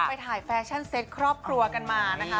ไปถ่ายแฟชั่นเซ็ตครอบครัวกันมานะคะ